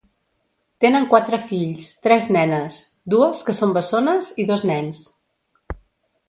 Tenen quatre fills, tres nenes, dues que són bessones, i dos nens.